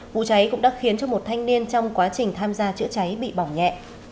vụ cháy cũng đã khiến cho một thanh niên trong quá trình tham gia chữa cháy bị bỏng nhẹ